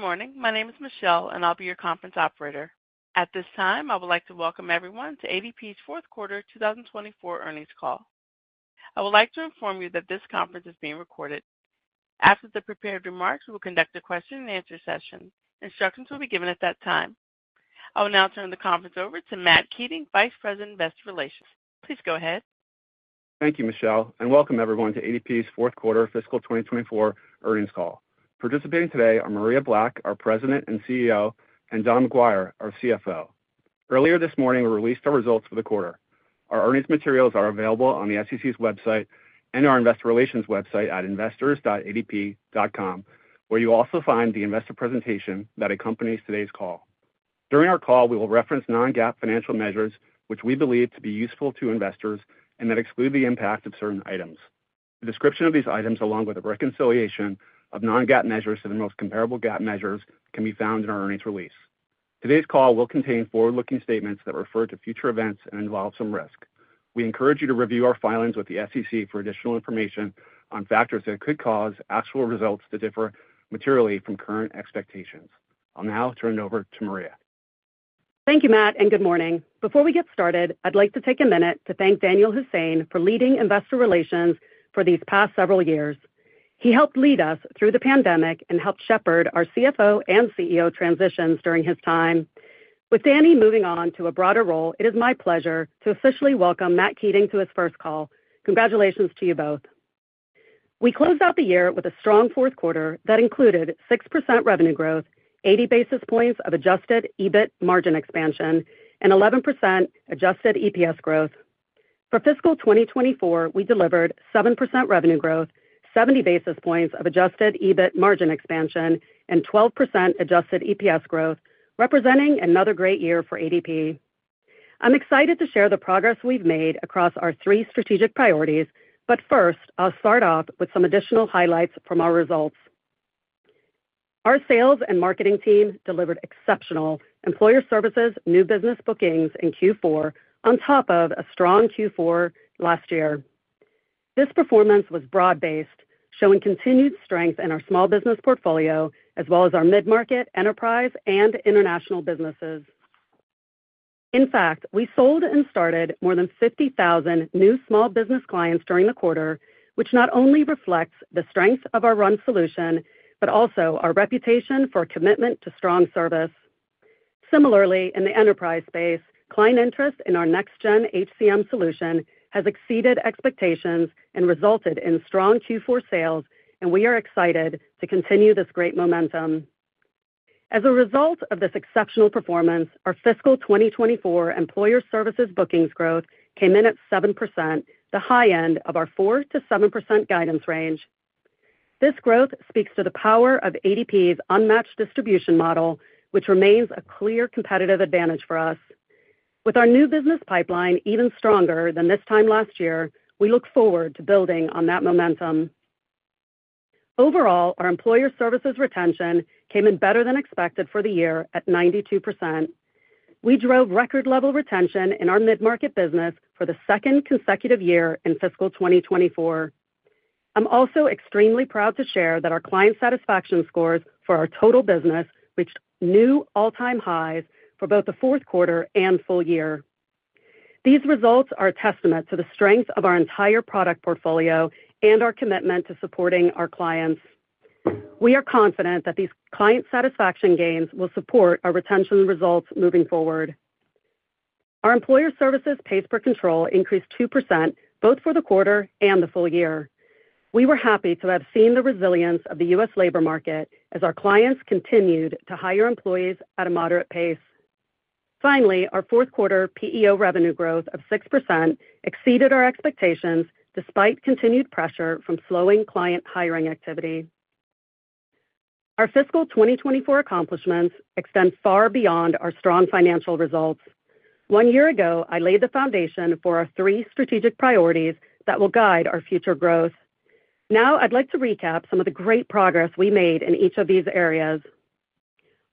Good morning. My name is Michelle, and I'll be your conference operator. At this time, I would like to welcome everyone to ADP's Fourth Quarter 2024 Earnings Call. I would like to inform you that this conference is being recorded. After the prepared remarks, we will conduct a question-and-answer session. Instructions will be given at that time. I will now turn the conference over to Matt Keating, Vice President, Investor Relations. Please go ahead. Thank you, Michelle, and welcome everyone to ADP's Fourth Quarter Fiscal 2024 Earnings Call. Participating today are Maria Black, our President and CEO, and Don McGuire, our CFO. Earlier this morning, we released our results for the quarter. Our earnings materials are available on the SEC's website and our Investor Relations website at investors.adp.com, where you'll also find the investor presentation that accompanies today's call. During our call, we will reference non-GAAP financial measures, which we believe to be useful to investors, and that exclude the impact of certain items. The description of these items, along with a reconciliation of non-GAAP measures to the most comparable GAAP measures, can be found in our earnings release. Today's call will contain forward-looking statements that refer to future events and involve some risk. We encourage you to review our filings with the SEC for additional information on factors that could cause actual results to differ materially from current expectations. I'll now turn it over to Maria. Thank you, Matt, and good morning. Before we get started, I'd like to take a minute to thank Danyal Hussain for leading investor relations for these past several years. He helped lead us through the pandemic and helped shepherd our CFO and CEO transitions during his time. With Danny moving on to a broader role, it is my pleasure to officially welcome Matt Keating to his first call. Congratulations to you both. We closed out the year with a strong fourth quarter that included 6% revenue growth, 80 basis points of Adjusted EBIT margin expansion, and 11% Adjusted EPS growth. For fiscal 2024, we delivered 7% revenue growth, 70 basis points of Adjusted EBIT margin expansion, and 12% Adjusted EPS growth, representing another great year for ADP. I'm excited to share the progress we've made across our three strategic priorities, but first, I'll start off with some additional highlights from our results. Our sales and marketing team delivered exceptional Employer Services new business bookings in Q4, on top of a strong Q4 last year. This performance was broad-based, showing continued strength in our small business portfolio, as well as our mid-market, enterprise, and international businesses. In fact, we sold and started more than 50,000 new small business clients during the quarter, which not only reflects the strength of our RUN solution, but also our reputation for commitment to strong service. Similarly, in the enterprise space, client interest in our Next-Gen HCM solution has exceeded expectations and resulted in strong Q4 sales, and we are excited to continue this great momentum. As a result of this exceptional performance, our fiscal 2024 Employer Services bookings growth came in at 7%, the high end of our 4%-7% guidance range. This growth speaks to the power of ADP's unmatched distribution model, which remains a clear competitive advantage for us. With our new business pipeline even stronger than this time last year, we look forward to building on that momentum. Overall, our Employer Services retention came in better than expected for the year at 92%. We drove record-level retention in our mid-market business for the second consecutive year in fiscal 2024. I'm also extremely proud to share that our client satisfaction scores for our total business reached new all-time highs for both the fourth quarter and full year. These results are a testament to the strength of our entire product portfolio and our commitment to supporting our clients. We are confident that these client satisfaction gains will support our retention results moving forward. Our Employer Services pays per control increased 2% both for the quarter and the full year. We were happy to have seen the resilience of the U.S. labor market as our clients continued to hire employees at a moderate pace. Finally, our fourth quarter PEO revenue growth of 6% exceeded our expectations despite continued pressure from slowing client hiring activity. Our fiscal 2024 accomplishments extend far beyond our strong financial results. One year ago, I laid the foundation for our three strategic priorities that will guide our future growth. Now, I'd like to recap some of the great progress we made in each of these areas.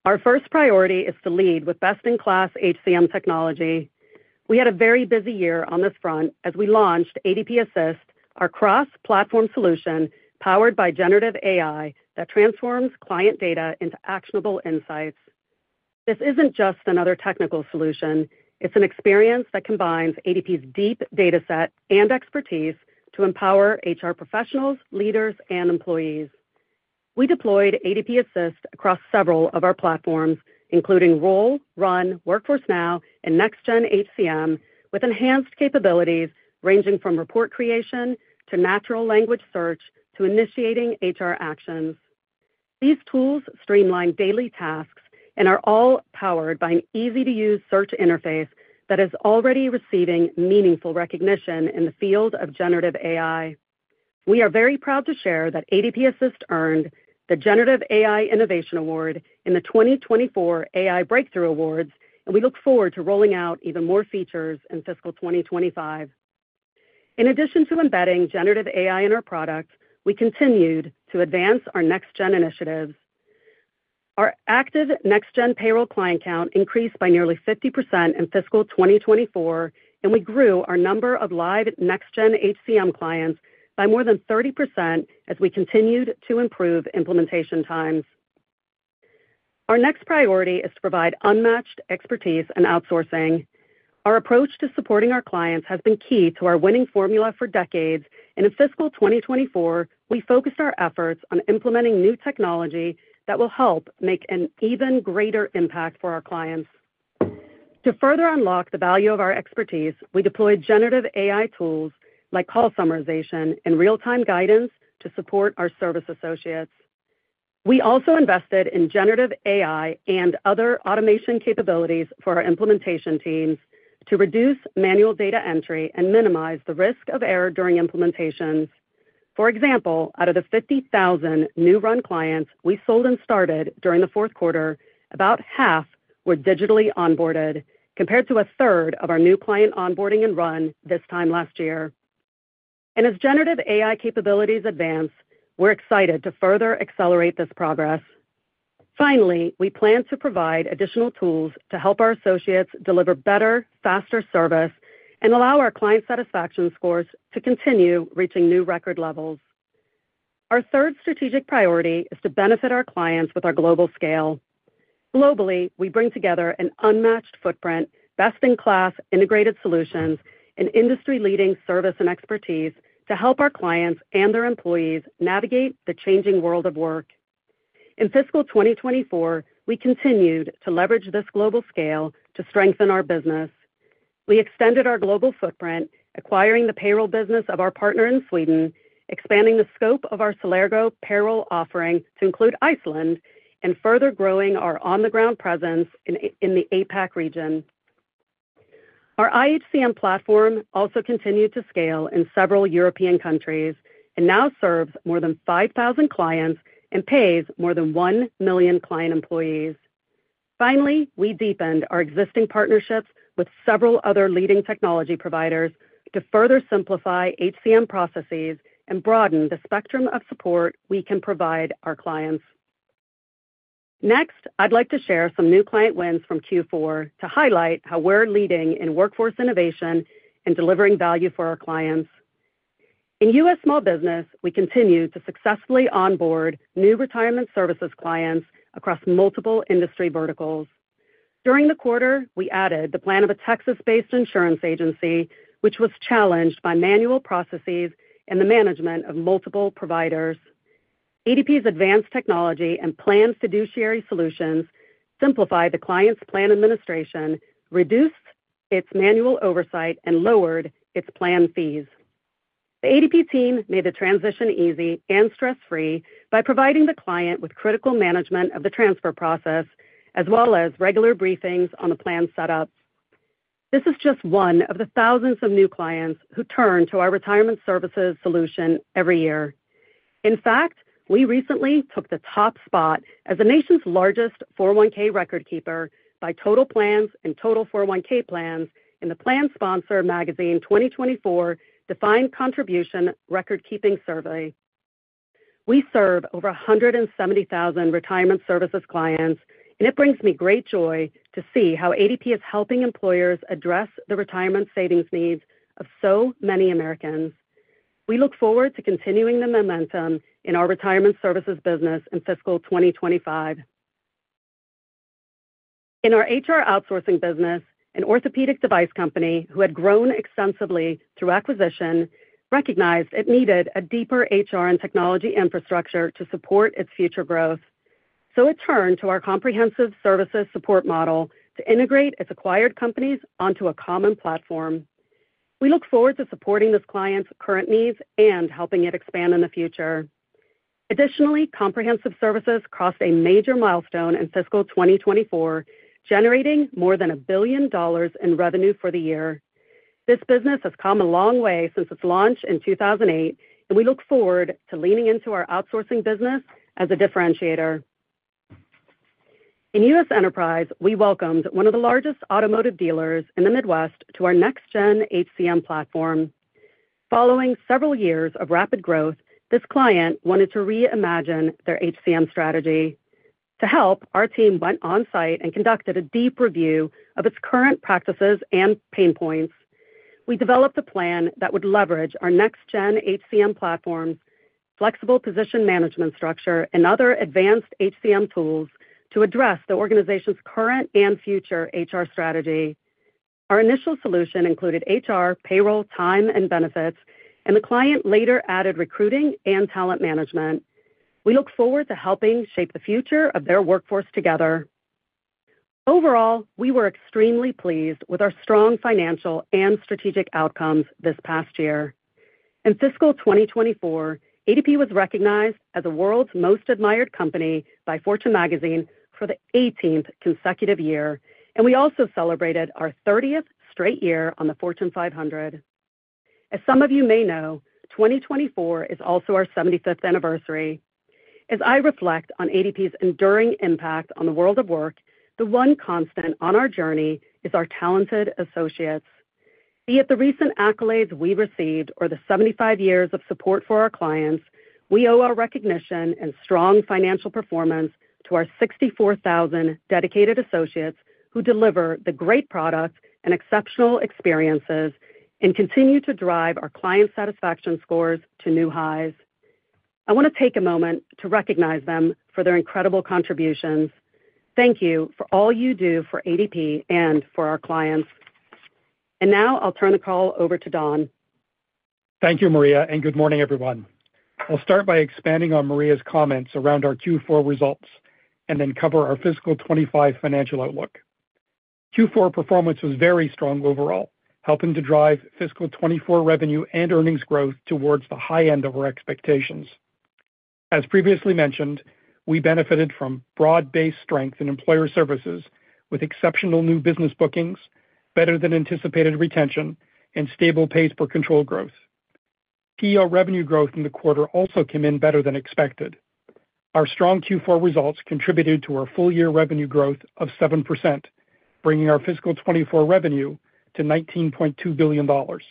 Our first priority is to lead with best-in-class HCM technology. We had a very busy year on this front as we launched ADP Assist, our cross-platform solution powered by generative AI that transforms client data into actionable insights. This isn't just another technical solution. It's an experience that combines ADP's deep data set and expertise to empower HR professionals, leaders, and employees. We deployed ADP Assist across several of our platforms, including Roll, RUN, Workforce Now, and Next-Gen HCM, with enhanced capabilities ranging from report creation to natural language search to initiating HR actions. These tools streamline daily tasks and are all powered by an easy-to-use search interface that is already receiving meaningful recognition in the field of generative AI. We are very proud to share that ADP Assist earned the Generative AI Innovation Award in the 2024 AI Breakthrough Awards, and we look forward to rolling out even more features in fiscal 2025. In addition to embedding generative AI in our products, we continued to advance our Next-Gen initiatives. Our active Next-Gen payroll client count increased by nearly 50% in fiscal 2024, and we grew our number of live Next-Gen HCM clients by more than 30% as we continued to improve implementation times. Our next priority is to provide unmatched expertise and outsourcing. Our approach to supporting our clients has been key to our winning formula for decades. In fiscal 2024, we focused our efforts on implementing new technology that will help make an even greater impact for our clients. To further unlock the value of our expertise, we deployed generative AI tools like call summarization and real-time guidance to support our service associates. We also invested in generative AI and other automation capabilities for our implementation teams to reduce manual data entry and minimize the risk of error during implementations. For example, out of the 50,000 new RUN clients we sold and started during the fourth quarter, about half were digitally onboarded, compared to a third of our new client onboarding and RUN this time last year. And as generative AI capabilities advance, we're excited to further accelerate this progress. Finally, we plan to provide additional tools to help our associates deliver better, faster service and allow our client satisfaction scores to continue reaching new record levels. Our third strategic priority is to benefit our clients with our global scale. Globally, we bring together an unmatched footprint, best-in-class integrated solutions, and industry-leading service and expertise to help our clients and their employees navigate the changing world of work. In fiscal 2024, we continued to leverage this global scale to strengthen our business. We extended our global footprint, acquiring the payroll business of our partner in Sweden, expanding the scope of our Celergo payroll offering to include Iceland, and further growing our on-the-ground presence in the APAC region. Our iHCM platform also continued to scale in several European countries and now serves more than 5,000 clients and pays more than 1,000,000 client employees. Finally, we deepened our existing partnerships with several other leading technology providers to further simplify HCM processes and broaden the spectrum of support we can provide our clients. Next, I'd like to share some new client wins from Q4 to highlight how we're leading in workforce innovation and delivering value for our clients. In U.S. small business, we continue to successfully onboard new Retirement Services clients across multiple industry verticals. During the quarter, we added the plan of a Texas-based insurance agency, which was challenged by manual processes and the management of multiple providers. ADP's advanced technology and plan fiduciary solutions simplified the client's plan administration, reduced its manual oversight, and lowered its plan fees. The ADP team made the transition easy and stress-free by providing the client with critical management of the transfer process, as well as regular briefings on the plan setup. This is just one of the thousands of new clients who turn to our Retirement Services solution every year. In fact, we recently took the top spot as the nation's largest 401(k) record keeper by total plans and total 401(k) plans in the PLANSPONSOR Magazine's 2024 Defined Contribution Record Keeping Survey. We serve over 170,000 Retirement Services clients, and it brings me great joy to see how ADP is helping employers address the retirement savings needs of so many Americans. We look forward to continuing the momentum in our Retirement Services business in fiscal 2025. In our HR outsourcing business, an orthopedic device company who had grown extensively through acquisition recognized it needed a deeper HR and technology infrastructure to support its future growth. So it turned to our Comprehensive Services support model to integrate its acquired companies onto a common platform. We look forward to supporting this client's current needs and helping it expand in the future. Additionally, Comprehensive Services crossed a major milestone in fiscal 2024, generating more than $1 billion in revenue for the year. This business has come a long way since its launch in 2008, and we look forward to leaning into our outsourcing business as a differentiator. In U.S. enterprise, we welcomed one of the largest automotive dealers in the Midwest to our Next-Gen HCM platform. Following several years of rapid growth, this client wanted to reimagine their HCM strategy. To help, our team went on site and conducted a deep review of its current practices and pain points. We developed a plan that would leverage our Next-Gen HCM platforms, flexible position management structure, and other advanced HCM tools to address the organization's current and future HR strategy. Our initial solution included HR, payroll, time, and benefits, and the client later added recruiting and talent management. We look forward to helping shape the future of their workforce together. Overall, we were extremely pleased with our strong financial and strategic outcomes this past year. In fiscal 2024, ADP was recognized as the world's most admired company by Fortune Magazine for the 18th consecutive year, and we also celebrated our 30th straight year on the Fortune 500. As some of you may know, 2024 is also our 75th anniversary. As I reflect on ADP's enduring impact on the world of work, the one constant on our journey is our talented associates. Be it the recent accolades we received or the 75 years of support for our clients, we owe our recognition and strong financial performance to our 64,000 dedicated associates who deliver the great products and exceptional experiences and continue to drive our client satisfaction scores to new highs. I want to take a moment to recognize them for their incredible contributions. Thank you for all you do for ADP and for our clients. Now I'll turn the call over to Don. Thank you, Maria, and good morning, everyone. I'll start by expanding on Maria's comments around our Q4 results and then cover our fiscal 2025 financial outlook. Q4 performance was very strong overall, helping to drive fiscal 2024 revenue and earnings growth towards the high end of our expectations. As previously mentioned, we benefited from broad-based strength in employer services with exceptional new business bookings, better than anticipated retention, and stable pays per control growth. PEO revenue growth in the quarter also came in better than expected. Our strong Q4 results contributed to our full-year revenue growth of 7%, bringing our fiscal 2024 revenue to $19.2 billion. For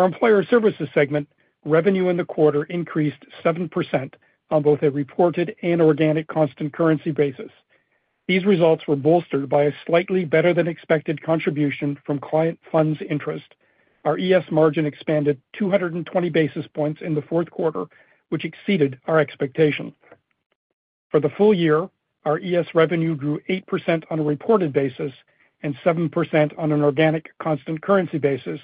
our employer services segment, revenue in the quarter increased 7% on both a reported and organic constant currency basis. These results were bolstered by a slightly better than expected contribution from client funds interest. Our ES margin expanded 220 basis points in the fourth quarter, which exceeded our expectation. For the full year, our ES revenue grew 8% on a reported basis and 7% on an organic constant currency basis,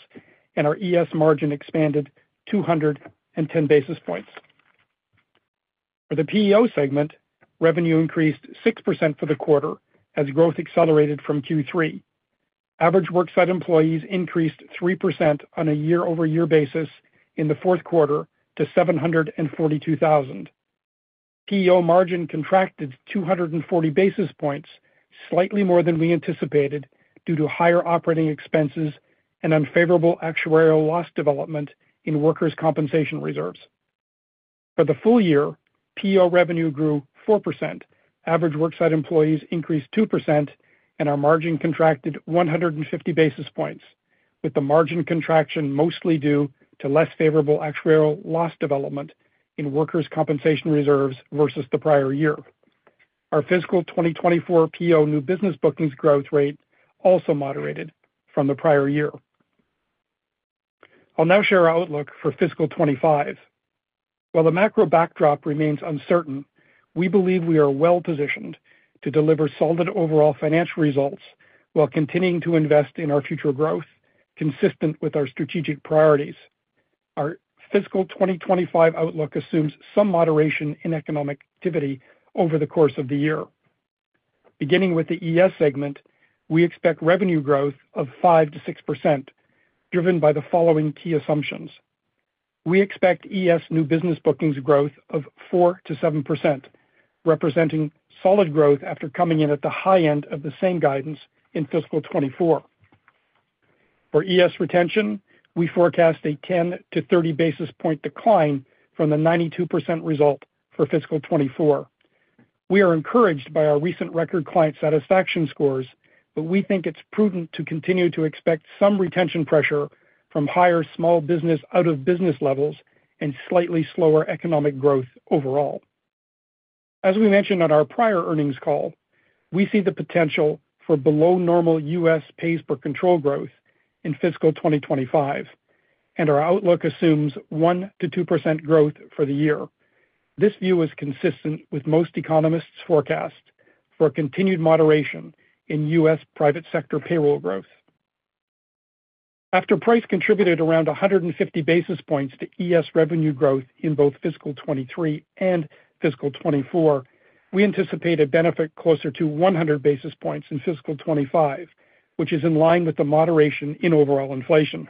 and our ES margin expanded 210 basis points. For the PEO segment, revenue increased 6% for the quarter as growth accelerated from Q3. Average worksite employees increased 3% on a year-over-year basis in the fourth quarter to 742,000. PEO margin contracted 240 basis points, slightly more than we anticipated due to higher operating expenses and unfavorable actuarial loss development in workers' compensation reserves. For the full year, PEO revenue grew 4%, average worksite employees increased 2%, and our margin contracted 150 basis points, with the margin contraction mostly due to less favorable actuarial loss development in workers' compensation reserves versus the prior year. Our fiscal 2024 PEO new business bookings growth rate also moderated from the prior year. I'll now share our outlook for fiscal 2025. While the macro backdrop remains uncertain, we believe we are well-positioned to deliver solid overall financial results while continuing to invest in our future growth consistent with our strategic priorities. Our fiscal 2025 outlook assumes some moderation in economic activity over the course of the year. Beginning with the ES segment, we expect revenue growth of 5%-6%, driven by the following key assumptions. We expect ES new business bookings growth of 4%-7%, representing solid growth after coming in at the high end of the same guidance in fiscal 2024. For ES retention, we forecast a 10 to 30-basis-point decline from the 92% result for fiscal 2024. We are encouraged by our recent record client satisfaction scores, but we think it's prudent to continue to expect some retention pressure from higher small business out-of-business levels and slightly slower economic growth overall. As we mentioned on our prior earnings call, we see the potential for below-normal U.S. pays per control growth in fiscal 2025, and our outlook assumes 1%-2% growth for the year. This view is consistent with most economists' forecasts for continued moderation in U.S. private sector payroll growth. After price contributed around 150 basis points to ES revenue growth in both fiscal 2023 and fiscal 2024, we anticipate a benefit closer to 100 basis points in fiscal 2025, which is in line with the moderation in overall inflation.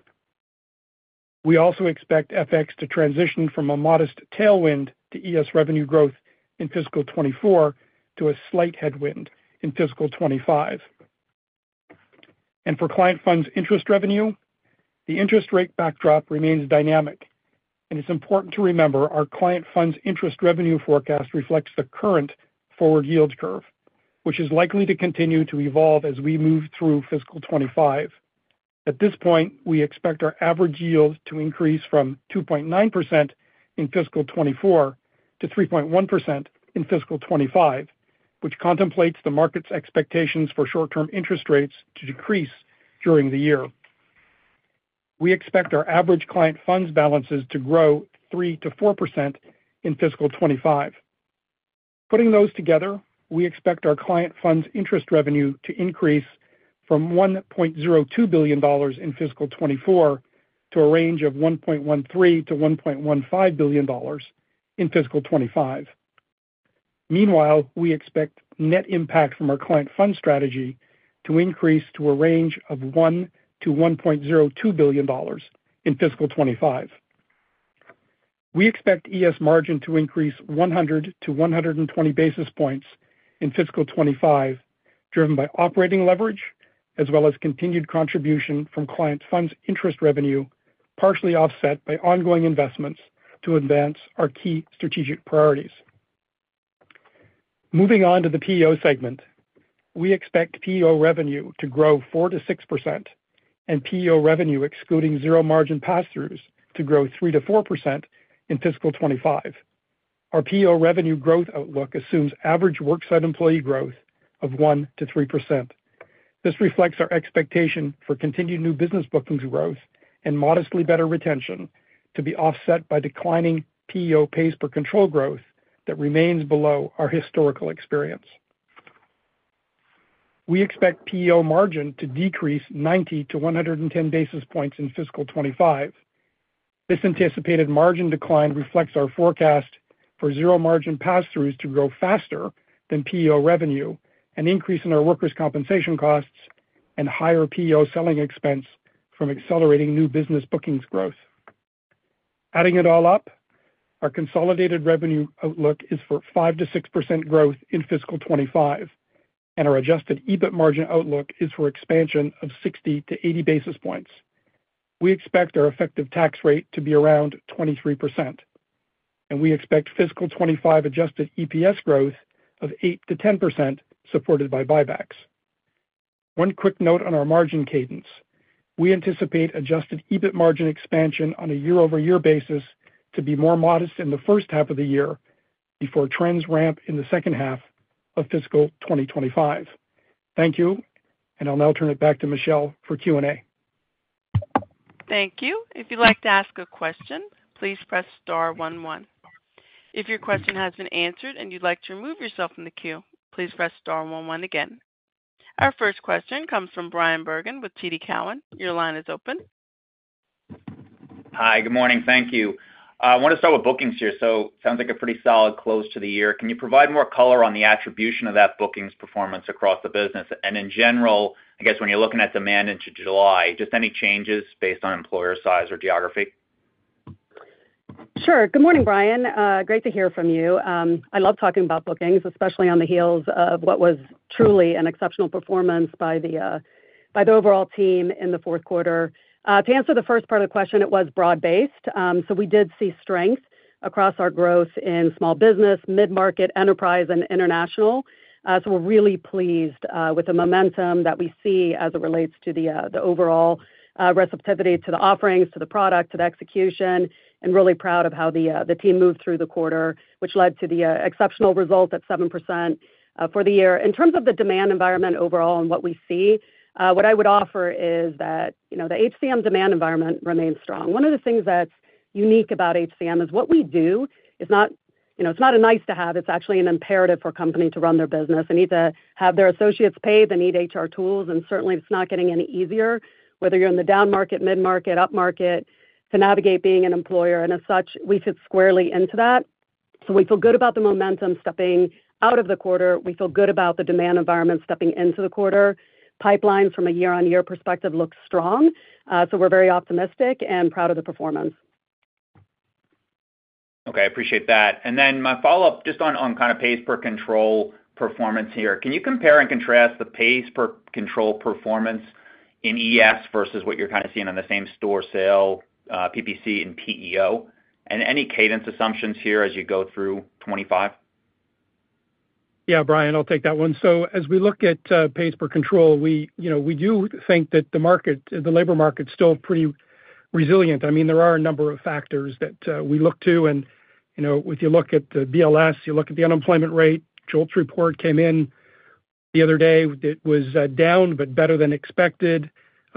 We also expect FX to transition from a modest tailwind to ES revenue growth in fiscal 2024 to a slight headwind in fiscal 2025. For client funds interest revenue, the interest rate backdrop remains dynamic, and it's important to remember our client funds interest revenue forecast reflects the current forward yield curve, which is likely to continue to evolve as we move through fiscal 2025. At this point, we expect our average yield to increase from 2.9% in fiscal 2024 to 3.1% in fiscal 2025, which contemplates the market's expectations for short-term interest rates to decrease during the year. We expect our average client funds balances to grow 3%-4% in fiscal 2025. Putting those together, we expect our client funds interest revenue to increase from $1.02 billion in fiscal 2024 to a range of $1.13-$1.15 billion in fiscal 2025. Meanwhile, we expect net impact from our client funds strategy to increase to a range of $1-$1.02 billion in fiscal 2025. We expect ES margin to increase 100 to 120 basis points in fiscal 2025, driven by operating leverage as well as continued contribution from client funds interest revenue, partially offset by ongoing investments to advance our key strategic priorities. Moving on to the PEO segment, we expect PEO revenue to grow 4%-6%, and PEO revenue excluding zero-margin pass-throughs to grow 3%-4% in fiscal 2025. Our PEO revenue growth outlook assumes average worksite employee growth of 1%-3%. This reflects our expectation for continued new business bookings growth and modestly better retention to be offset by declining PEO pays per control growth that remains below our historical experience. We expect PEO margin to decrease 90-110 basis points in fiscal 2025. This anticipated margin decline reflects our forecast for zero-margin pass-throughs to grow faster than PEO revenue, an increase in our workers' compensation costs, and higher PEO selling expense from accelerating new business bookings growth. Adding it all up, our consolidated revenue outlook is for 5%-6% growth in fiscal 2025, and our adjusted EBIT margin outlook is for expansion of 60-80 basis points. We expect our effective tax rate to be around 23%, and we expect fiscal 2025 adjusted EPS growth of 8%-10%, supported by buybacks. One quick note on our margin cadence: we anticipate adjusted EBIT margin expansion on a year-over-year basis to be more modest in the first half of the year before trends ramp in the second half of fiscal 2025. Thank you, and I'll now turn it back to Michelle for Q&A. Thank you. If you'd like to ask a question, please press star one one. If your question has been answered and you'd like to remove yourself from the queue, please press star one one again. Our first question comes from Bryan Bergin with TD Cowen. Your line is open. Hi, good morning. Thank you. I want to start with bookings here. So it sounds like a pretty solid close to the year. Can you provide more color on the attribution of that bookings performance across the business? And in general, I guess when you're looking at demand into July, just any changes based on employer size or geography? Sure. Good morning, Bryan. Great to hear from you. I love talking about bookings, especially on the heels of what was truly an exceptional performance by the overall team in the fourth quarter. To answer the first part of the question, it was broad-based. So we did see strength across our growth in small business, mid-market, enterprise, and international. So we're really pleased with the momentum that we see as it relates to the overall receptivity to the offerings, to the product, to the execution, and really proud of how the team moved through the quarter, which led to the exceptional result at 7% for the year. In terms of the demand environment overall and what we see, what I would offer is that the HCM demand environment remains strong. One of the things that's unique about HCM is what we do is not a nice-to-have. It's actually an imperative for a company to run their business. They need to have their associates paid. They need HR tools. And certainly, it's not getting any easier, whether you're in the down market, mid-market, up market, to navigate being an employer. And as such, we fit squarely into that. So we feel good about the momentum stepping out of the quarter. We feel good about the demand environment stepping into the quarter. Pipelines from a year-on-year perspective look strong. So we're very optimistic and proud of the performance. Okay. I appreciate that. And then my follow-up just on kind of pays per control performance here. Can you compare and contrast the pays per control performance in ES versus what you're kind of seeing on the same store sale, PPC, and PEO? And any cadence assumptions here as you go through 2025? Yeah, Bryan, I'll take that one. So as we look at pays per control, we do think that the labor market's still pretty resilient. I mean, there are a number of factors that we look to. And if you look at the BLS, you look at the unemployment rate, JOLTS report came in the other day. It was down, but better than expected.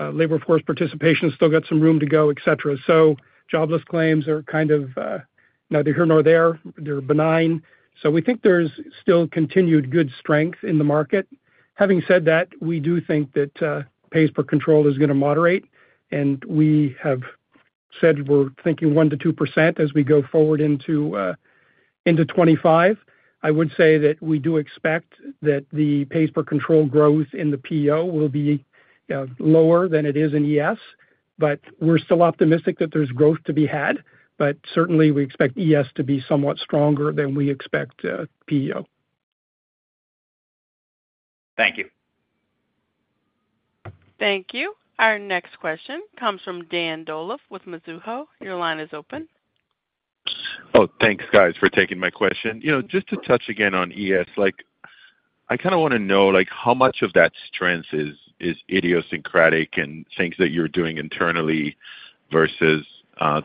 Labor force participation still got some room to go, etc. So jobless claims are kind of neither here nor there. They're benign. So we think there's still continued good strength in the market. Having said that, we do think that pays per control is going to moderate, and we have said we're thinking 1%-2% as we go forward into 2025. I would say that we do expect that the pays per control growth in the PEO will be lower than it is in ES, but we're still optimistic that there's growth to be had. But certainly, we expect ES to be somewhat stronger than we expect PEO. Thank you. Thank you. Our next question comes from Dan Dolev with Mizuho. Your line is open. Oh, thanks, guys, for taking my question. Just to touch again on ES, I kind of want to know how much of that strength is idiosyncratic and things that you're doing internally versus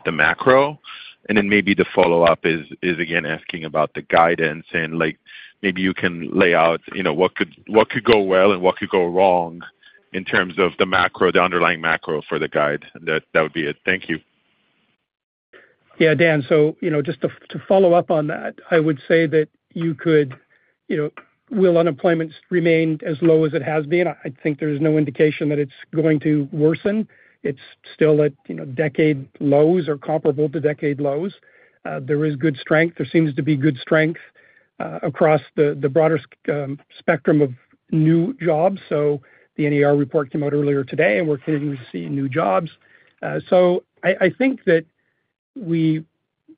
the macro. And then maybe the follow-up is, again, asking about the guidance. Maybe you can lay out what could go well and what could go wrong in terms of the underlying macro for the guide. That would be it. Thank you. Yeah, Dan. So just to follow up on that, I would say that you could will unemployment remain as low as it has been? I think there's no indication that it's going to worsen. It's still at decade lows or comparable to decade lows. There is good strength. There seems to be good strength across the broader spectrum of new jobs. So the NFP report came out earlier today, and we're continuing to see new jobs. So I think that we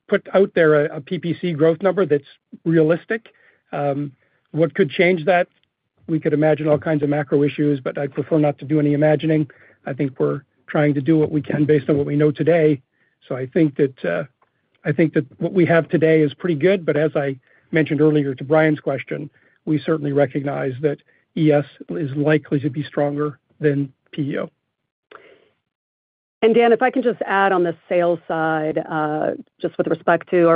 put out there a PPC growth number that's realistic. What could change that? We could imagine all kinds of macro issues, but I'd prefer not to do any imagining. I think we're trying to do what we can based on what we know today. So I think that what we have today is pretty good. But as I mentioned earlier to Bryan's question, we certainly recognize that ES is likely to be stronger than PEO. And Dan, if I can just add on the sales side, just with respect to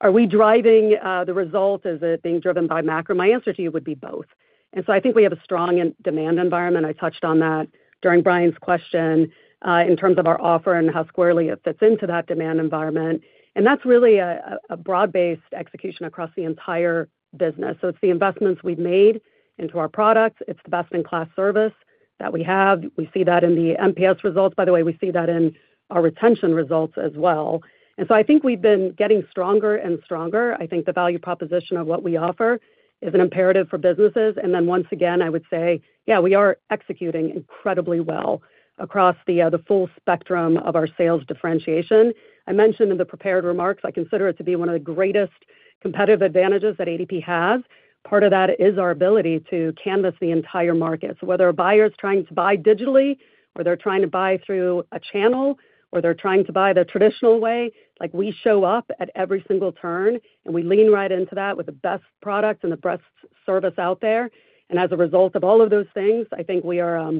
are we driving the result? Is it being driven by macro? My answer to you would be both. And so I think we have a strong demand environment. I touched on that during Bryan's question in terms of our offer and how squarely it fits into that demand environment. And that's really a broad-based execution across the entire business. So it's the investments we've made into our products. It's the best-in-class service that we have. We see that in the NPS results. By the way, we see that in our retention results as well. And so I think we've been getting stronger and stronger. I think the value proposition of what we offer is an imperative for businesses. And then once again, I would say, yeah, we are executing incredibly well across the full spectrum of our sales differentiation. I mentioned in the prepared remarks, I consider it to be one of the greatest competitive advantages that ADP has. Part of that is our ability to canvas the entire market. So whether a buyer is trying to buy digitally, or they're trying to buy through a channel, or they're trying to buy the traditional way, we show up at every single turn, and we lean right into that with the best product and the best service out there. As a result of all of those things, I think we are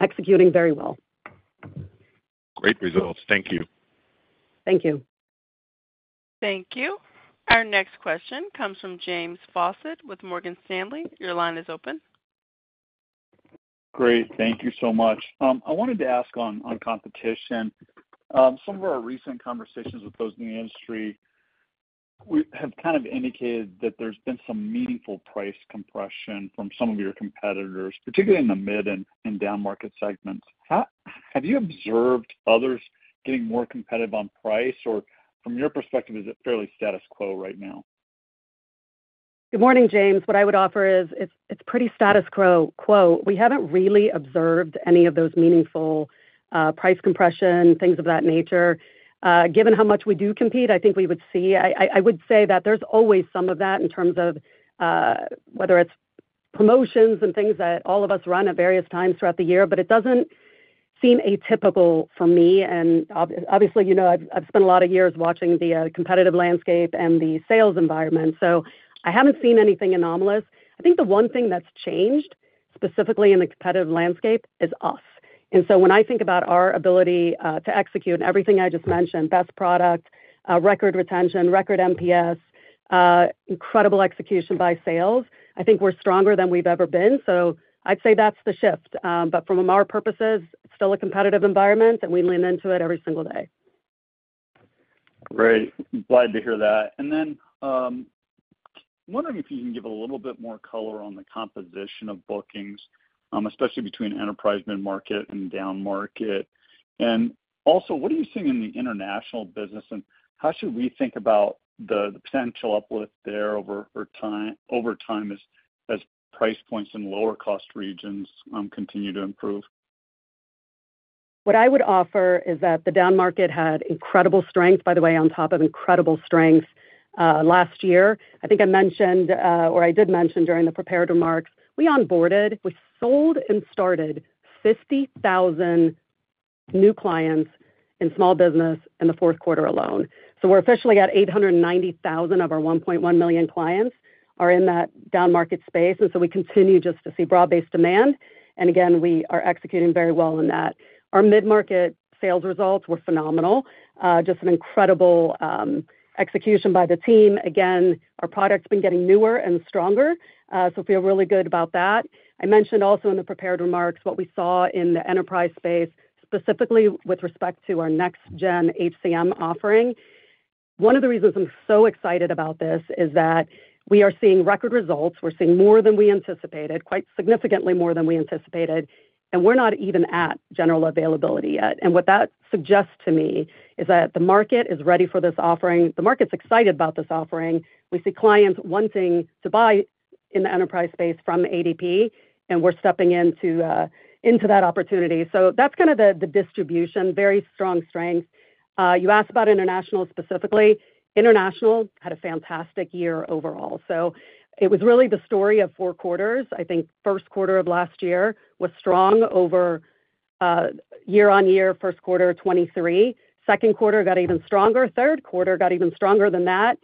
executing very well. Great results. Thank you. Thank you. Thank you. Our next question comes from James Faucette with Morgan Stanley. Your line is open. Great. Thank you so much. I wanted to ask on competition. Some of our recent conversations with those in the industry have kind of indicated that there's been some meaningful price compression from some of your competitors, particularly in the mid and down market segments. Have you observed others getting more competitive on price? Or from your perspective, is it fairly status quo right now? Good morning, James. What I would offer is it's pretty status quo. We haven't really observed any of those meaningful price compression, things of that nature. Given how much we do compete, I think we would see—I would say that there's always some of that in terms of whether it's promotions and things that all of us RUN at various times throughout the year. But it doesn't seem atypical for me. Obviously, I've spent a lot of years watching the competitive landscape and the sales environment. I haven't seen anything anomalous. I think the one thing that's changed, specifically in the competitive landscape, is us. And so when I think about our ability to execute and everything I just mentioned—best product, record retention, record NPS, incredible execution by sales—I think we're stronger than we've ever been. So I'd say that's the shift. But from our purposes, it's still a competitive environment, and we lean into it every single day. Great. Glad to hear that. Then I'm wondering if you can give a little bit more color on the composition of bookings, especially between enterprise mid-market and down market. And also, what are you seeing in the international business, and how should we think about the potential uplift there over time as price points in lower-cost regions continue to improve? What I would offer is that the down market had incredible strength, by the way, on top of incredible strength last year. I think I mentioned, or I did mention during the prepared remarks, we onboarded, we sold, and started 50,000 new clients in small business in the fourth quarter alone. So we're officially at 890,000 of our 1.1 million clients are in that down market space. And so we continue just to see broad-based demand. And again, we are executing very well in that. Our mid-market sales results were phenomenal. Just an incredible execution by the team. Again, our product's been getting newer and stronger. So feel really good about that. I mentioned also in the prepared remarks what we saw in the enterprise space, specifically with respect to our Next-Gen HCM offering. One of the reasons I'm so excited about this is that we are seeing record results. We're seeing more than we anticipated, quite significantly more than we anticipated. And we're not even at general availability yet. And what that suggests to me is that the market is ready for this offering. The market's excited about this offering. We see clients wanting to buy in the enterprise space from ADP, and we're stepping into that opportunity. So that's kind of the distribution, very strong strength. You asked about International specifically. International had a fantastic year overall. So it was really the story of four quarters. I think first quarter of last year was strong year-over-year, first quarter 2023. Second quarter got even stronger. Third quarter got even stronger than that.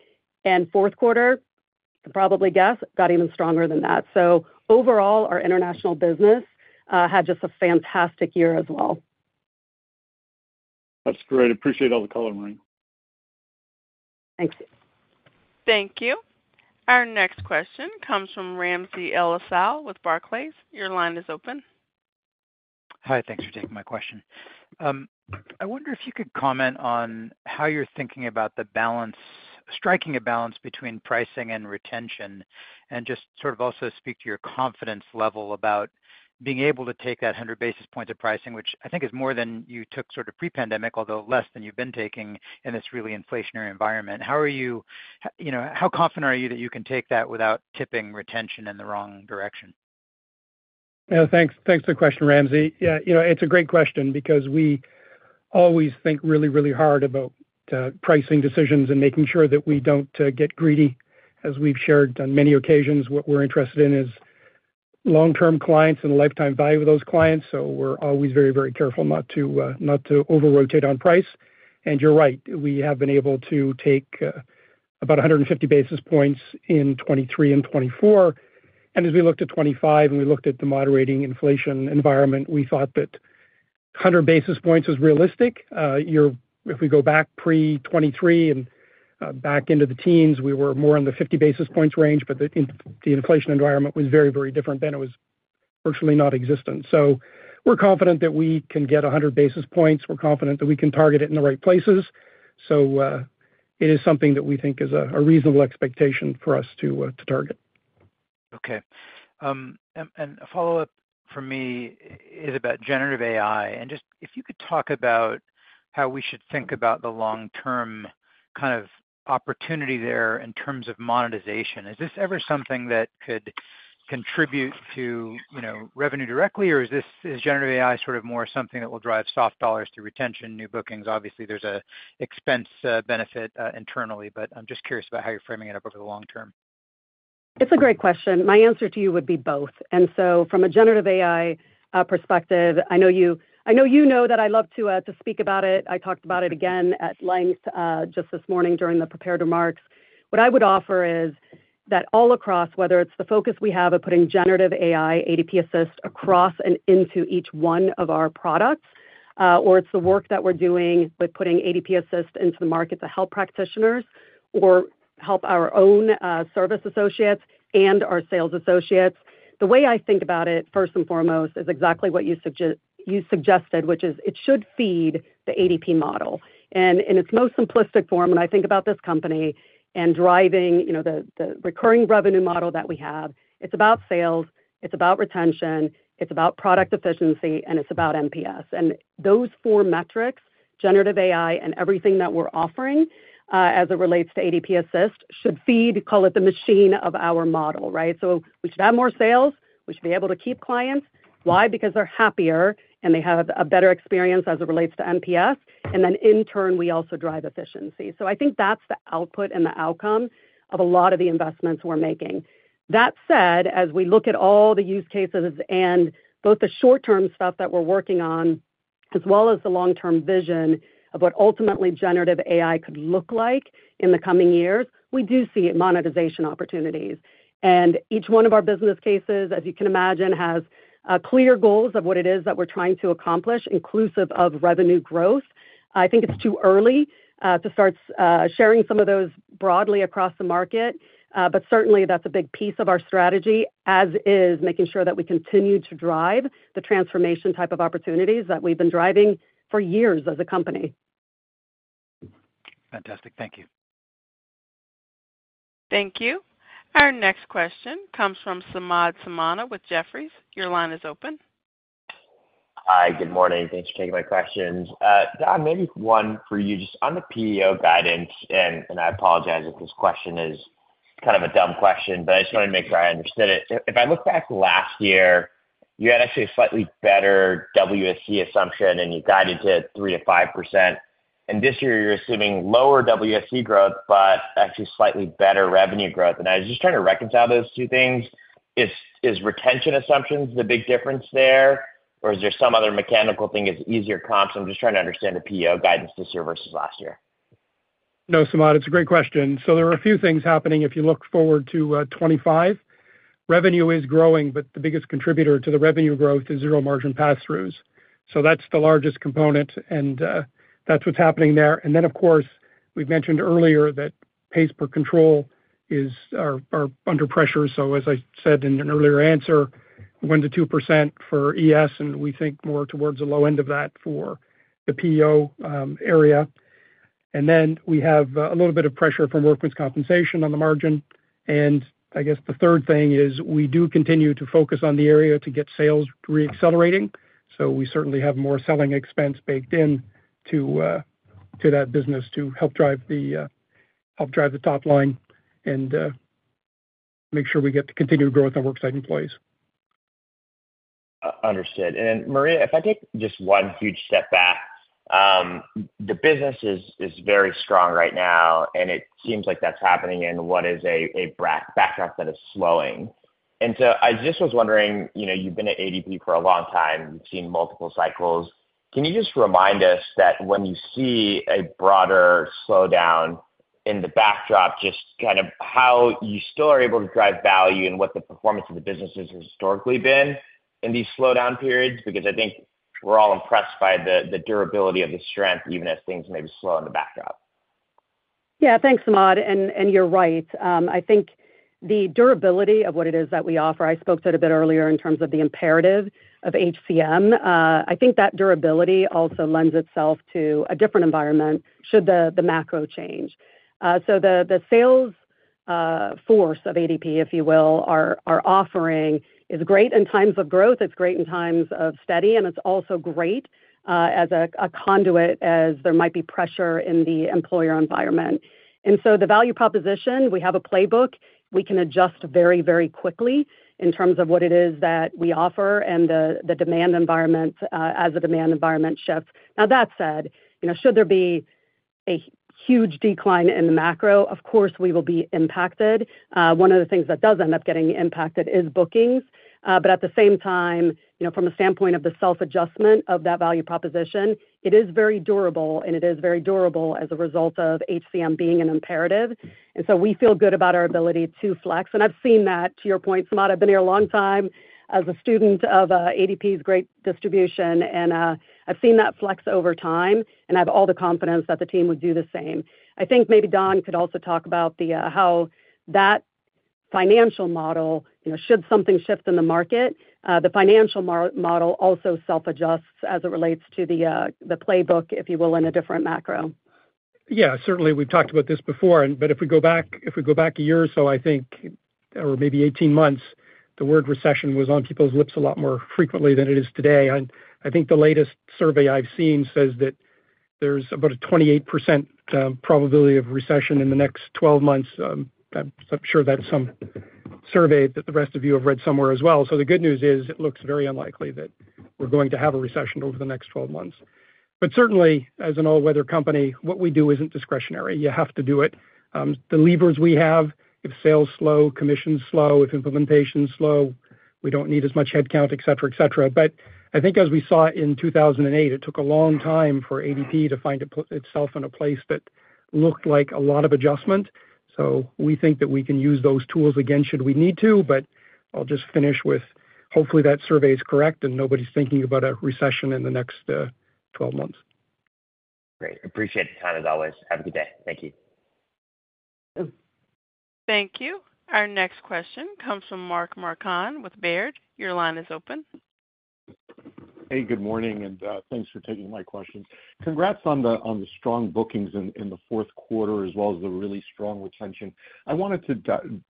And fourth quarter, you can probably guess, got even stronger than that. So overall, our international business had just a fantastic year as well. That's great. Appreciate all the color, Maria. Thanks. Thank you. Our next question comes from Ramsey El-Assal with Barclays. Your line is open. Hi. Thanks for taking my question. I wonder if you could comment on how you're thinking about the balance, striking a balance between pricing and retention, and just sort of also speak to your confidence level about being able to take that 100 basis points of pricing, which I think is more than you took sort of pre-pandemic, although less than you've been taking in this really inflationary environment. How are you? How confident are you that you can take that without tipping retention in the wrong direction? Thanks for the question, Ramsey. It's a great question because we always think really, really hard about pricing decisions and making sure that we don't get greedy. As we've shared on many occasions, what we're interested in is long-term clients and lifetime value of those clients. So we're always very, very careful not to over-rotate on price. And you're right. We have been able to take about 150 basis points in 2023 and 2024. And as we looked at 2025 and we looked at the moderating inflation environment, we thought that 100 basis points was realistic. If we go back pre-2023 and back into the teens, we were more in the 50 basis points range, but the inflation environment was very, very different then. It was virtually non-existent. So we're confident that we can get 100 basis points. We're confident that we can target it in the right places. So it is something that we think is a reasonable expectation for us to target. Okay. And a follow-up for me is about generative AI. And just if you could talk about how we should think about the long-term kind of opportunity there in terms of monetization. Is this ever something that could contribute to revenue directly, or is generative AI sort of more something that will drive soft dollars through retention, new bookings? Obviously, there's an expense benefit internally, but I'm just curious about how you're framing it up over the long term. It's a great question. My answer to you would be both. And so from a generative AI perspective, I know you know that I love to speak about it. I talked about it again at length just this morning during the prepared remarks. What I would offer is that all across, whether it's the focus we have of putting generative AI, ADP Assist, across and into each one of our products, or it's the work that we're doing with putting ADP Assist into the market to help practitioners or help our own service associates and our sales associates, the way I think about it, first and foremost, is exactly what you suggested, which is it should feed the ADP model. And in its most simplistic form, when I think about this company and driving the recurring revenue model that we have, it's about sales, it's about retention, it's about product efficiency, and it's about NPS. And those four metrics, generative AI and everything that we're offering as it relates to ADP Assist, should feed, call it the machine of our model, right? So we should have more sales. We should be able to keep clients. Why? Because they're happier and they have a better experience as it relates to NPS. And then in turn, we also drive efficiency. So I think that's the output and the outcome of a lot of the investments we're making. That said, as we look at all the use cases and both the short-term stuff that we're working on as well as the long-term vision of what ultimately generative AI could look like in the coming years, we do see monetization opportunities. And each one of our business cases, as you can imagine, has clear goals of what it is that we're trying to accomplish, inclusive of revenue growth. I think it's too early to start sharing some of those broadly across the market, but certainly that's a big piece of our strategy, as is making sure that we continue to drive the transformation type of opportunities that we've been driving for years as a company. Fantastic. Thank you. Thank you. Our next question comes from Samad Samana with Jefferies. Your line is open. Hi. Good morning. Thanks for taking my questions. Don, maybe one for you. Just on the PEO guidance, and I apologize if this question is kind of a dumb question, but I just wanted to make sure I understood it. If I look back to last year, you had actually a slightly better WSE assumption, and you guided to 3%-5%. And this year, you're assuming lower WSE growth, but actually slightly better revenue growth. I was just trying to reconcile those two things. Is retention assumptions the big difference there, or is there some other mechanical thing? Is it easier coNPS? I'm just trying to understand the PEO guidance this year versus last year. No, Samad, it's a great question. There are a few things happening. If you look forward to 2025, revenue is growing, but the biggest contributor to the revenue growth is zero-margin pass-throughs. That's the largest component, and that's what's happening there. Then, of course, we've mentioned earlier that pay per control is under pressure. As I said in an earlier answer, 1%-2% for ES, and we think more towards the low end of that for the PEO area. Then we have a little bit of pressure from workers' compensation on the margin. And I guess the third thing is we do continue to focus on the area to get sales re-accelerating. So we certainly have more selling expense baked into that business to help drive the top line and make sure we get continued growth on worksite employees. Understood. And Maria, if I take just one huge step back, the business is very strong right now, and it seems like that's happening in what is a backdrop that is slowing. And so I just was wondering, you've been at ADP for a long time. You've seen multiple cycles. Can you just remind us that when you see a broader slowdown in the backdrop, just kind of how you still are able to drive value and what the performance of the business has historically been in these slowdown periods? Because I think we're all impressed by the durability of the strength, even as things maybe slow in the backdrop. Yeah. Thanks, Samad. And you're right. I think the durability of what it is that we offer, I spoke to it a bit earlier in terms of the imperative of HCM. I think that durability also lends itself to a different environment should the macro change. So the sales force of ADP, if you will, our offering is great in times of growth. It's great in times of steady, and it's also great as a conduit as there might be pressure in the employer environment. And so the value proposition, we have a playbook. We can adjust very, very quickly in terms of what it is that we offer and the demand environment as the demand environment shifts. Now, that said, should there be a huge decline in the macro, of course, we will be impacted. One of the things that does end up getting impacted is bookings. But at the same time, from the standpoint of the self-adjustment of that value proposition, it is very durable, and it is very durable as a result of HCM being an imperative. And so we feel good about our ability to flex. And I've seen that, to your point, Samad. I've been here a long time as a student of ADP's great distribution, and I've seen that flex over time, and I have all the confidence that the team would do the same. I think maybe Don could also talk about how that financial model, should something shift in the market, the financial model also self-adjusts as it relates to the playbook, if you will, in a different macro. Yeah. Certainly, we've talked about this before. But if we go back a year or so, I think, or maybe 18 months, the word recession was on people's lips a lot more frequently than it is today. I think the latest survey I've seen says that there's about a 28% probability of recession in the next 12 months. I'm sure that's some survey that the rest of you have read somewhere as well. So the good news is it looks very unlikely that we're going to have a recession over the next 12 months. But certainly, as an all-weather company, what we do isn't discretionary. You have to do it. The levers we have, if sales slow, commissions slow, if implementation's slow, we don't need as much headcount, etc., etc. But I think as we saw in 2008, it took a long time for ADP to find itself in a place that looked like a lot of adjustment. So we think that we can use those tools again should we need to. But I'll just finish with hopefully that survey is correct and nobody's thinking about a recession in the next 12 months. Great. Appreciate the time, as always. Have a good day. Thank you. Thank you. Our next question comes from Mark Marcon with Baird. Your line is open. Hey, good morning, and thanks for taking my questions. Congrats on the strong bookings in the fourth quarter, as well as the really strong retention. I wanted to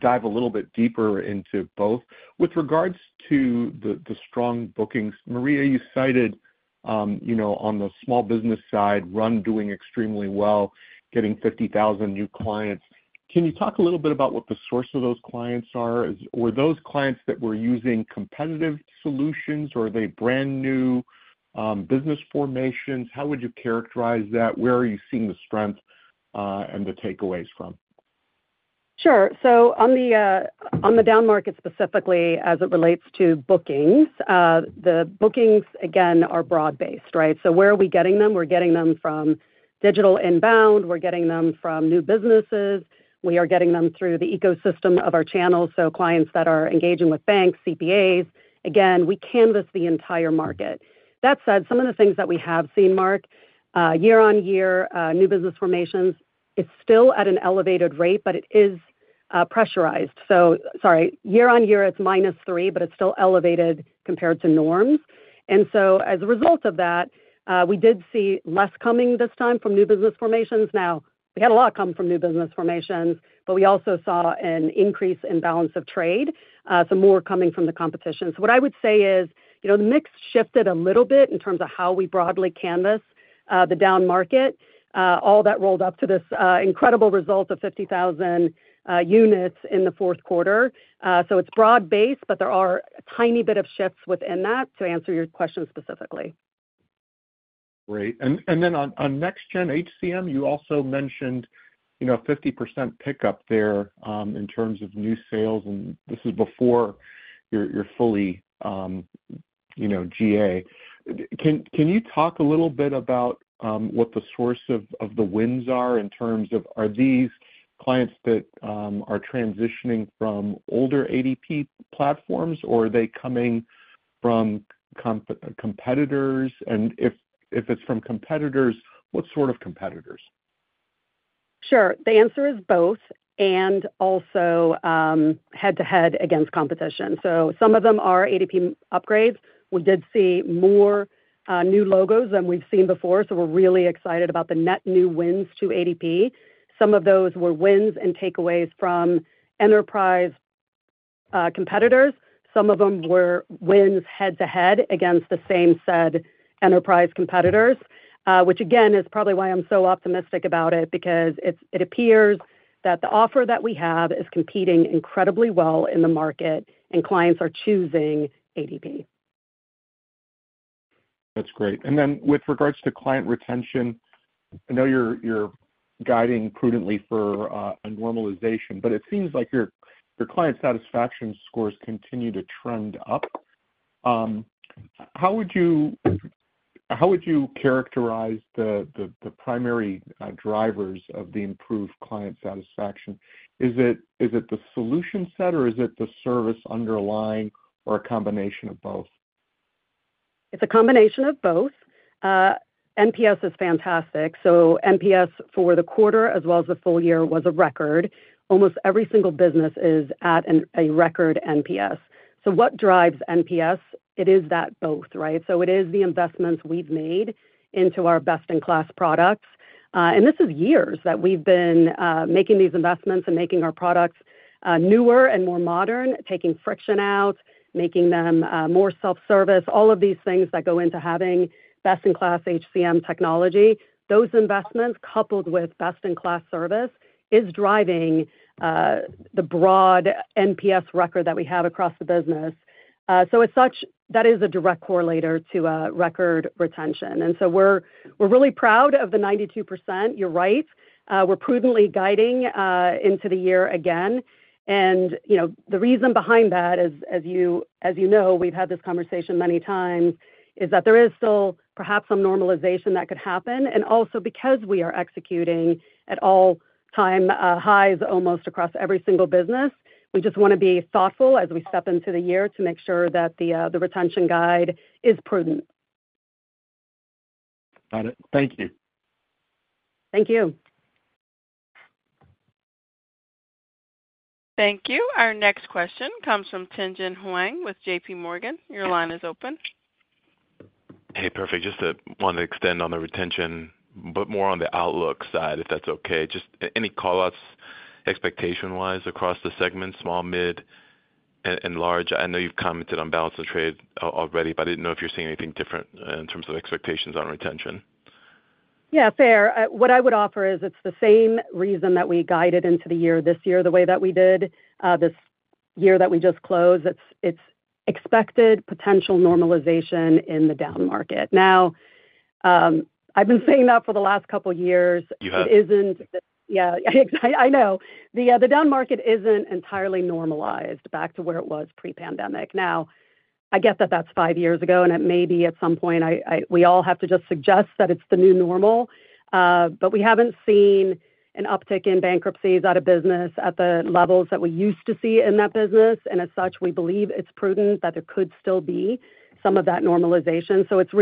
dive a little bit deeper into both. With regards to the strong bookings, Maria, you cited on the small business side, RUN doing extremely well, getting 50,000 new clients. Can you talk a little bit about what the source of those clients are? Were those clients that were using competitive solutions, or are they brand new business formations? How would you characterize that? Where are you seeing the strength and the takeaways from? Sure. So on the down market specifically, as it relates to bookings, the bookings, again, are broad-based, right? So where are we getting them? We're getting them from digital inbound. We're getting them from new businesses. We are getting them through the ecosystem of our channels. So clients that are engaging with banks, CPAs. Again, we canvas the entire market. That said, some of the things that we have seen, Mark, year-on-year new business formations, it's still at an elevated rate, but it is pressurized. So sorry, year-on-year, it's -3%, but it's still elevated compared to norms. And so as a result of that, we did see less coming this time from new business formations. Now, we had a lot come from new business formations, but we also saw an increase in balance of trade, so more coming from the competition. So what I would say is the mix shifted a little bit in terms of how we broadly canvass the down market. All that rolled up to this incredible result of 50,000 units in the fourth quarter. So it's broad-based, but there are a tiny bit of shifts within that to answer your question specifically. Great. And then on NextGen HCM, you also mentioned a 50% pickup there in terms of new sales, and this is before you're fully GA. Can you talk a little bit about what the source of the wins are in terms of are these clients that are transitioning from older ADP platforms, or are they coming from competitors? And if it's from competitors, what sort of competitors? Sure. The answer is both and also head-to-head against competition. So some of them are ADP upgrades. We did see more new logos than we've seen before, so we're really excited about the net new wins to ADP. Some of those were wins and takeaways from enterprise competitors. Some of them were wins head-to-head against the same said enterprise competitors, which, again, is probably why I'm so optimistic about it, because it appears that the offer that we have is competing incredibly well in the market, and clients are choosing ADP. That's great. Then with regards to client retention, I know you're guiding prudently for a normalization, but it seems like your client satisfaction scores continue to trend up. How would you characterize the primary drivers of the improved client satisfaction? Is it the solution set, or is it the service underlying, or a combination of both? It's a combination of both. NPS is fantastic. NPS for the quarter as well as the full year was a record. Almost every single business is at a record NPS. What drives NPS? It is that both, right? It is the investments we've made into our best-in-class products. And this is years that we've been making these investments and making our products newer and more modern, taking friction out, making them more self-service, all of these things that go into having best-in-class HCM technology. Those investments, coupled with best-in-class service, is driving the broad NPS record that we have across the business. So as such, that is a direct correlator to record retention. And so we're really proud of the 92%. You're right. We're prudently guiding into the year again. And the reason behind that, as you know, we've had this conversation many times, is that there is still perhaps some normalization that could happen. And also because we are executing at all-time highs almost across every single business, we just want to be thoughtful as we step into the year to make sure that the retention guide is prudent. Got it. Thank you. Thank you. Thank you. Our next question comes from Tien-tsin Huang with JPMorgan. Your line is open. Hey, perfect. Just wanted to extend on the retention, but more on the outlook side, if that's okay. Just any callouts expectation-wise across the segment, small, mid, and large? I know you've commented on balance of trade already, but I didn't know if you're seeing anything different in terms of expectations on retention. Yeah, fair. What I would offer is it's the same reason that we guided into the year this year the way that we did this year that we just closed. It's expected potential normalization in the down market. Now, I've been saying that for the last couple of years. It isn't. Yeah. I know. The down market isn't entirely normalized back to where it was pre-pandemic. Now, I get that that's five years ago, and it may be at some point we all have to just suggest that it's the new normal. But we haven't seen an uptick in bankruptcies out of business at the levels that we used to see in that business. As such, we believe it's prudent that there could still be some of that normalization. It's